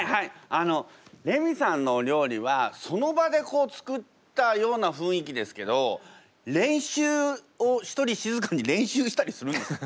あのレミさんのお料理はその場で作ったような雰囲気ですけど練習を一人静かに練習したりするんですか？